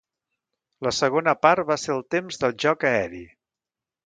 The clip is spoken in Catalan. La segona part va ser el temps del joc aeri.